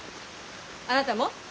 あなたも？